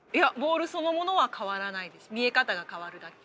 見え方が変わるだけ。